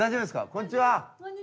こんにちは。